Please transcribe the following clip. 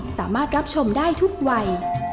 สามารถรับชมได้ทุกวัย